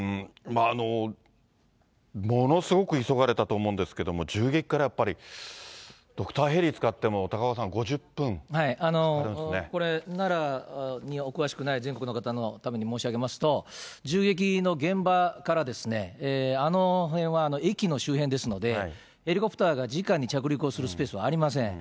ものすごく急がれたと思うんですけど、銃撃からやっぱり、ドクターヘリ使っても、高岡さん、これ、奈良にお詳しくない全国の方のために申し上げますと、銃撃の現場からですね、あの辺は、駅の周辺ですので、ヘリコプターがじかに着陸をするスペースはありません。